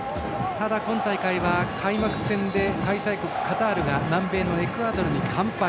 ただ、今大会は開幕戦で開催国カタールが南米のエクアドルに完敗。